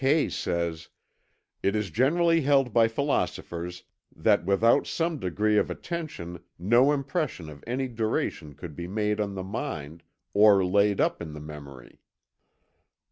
Kay says: "It is generally held by philosophers that without some degree of attention no impression of any duration could be made on the mind, or laid up in the memory."